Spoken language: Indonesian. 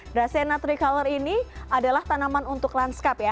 dracaena tricolor ini adalah tanaman untuk landscape ya